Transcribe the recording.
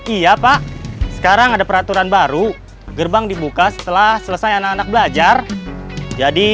iya pak sekarang ada peraturan baru gerbang dibuka setelah selesai anak anak belajar jadi